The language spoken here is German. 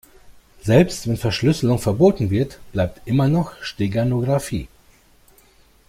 Selbst wenn Verschlüsselung verboten wird, bleibt immer noch Steganographie.